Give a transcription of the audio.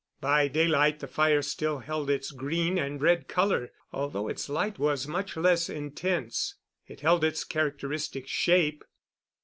By daylight the fire still held its green and red color, although its light was much less intense. It held its characteristic shape.